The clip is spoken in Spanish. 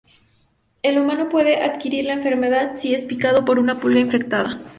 El humano puede adquirir la enfermedad si es picado por una pulga infectada.